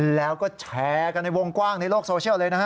แล้วก็แชร์กันในวงกว้างในโลกโซเชียลเลยนะฮะ